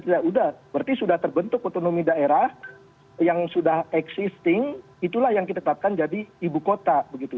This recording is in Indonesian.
sudah berarti sudah terbentuk otonomi daerah yang sudah existing itulah yang kita tetapkan jadi ibu kota begitu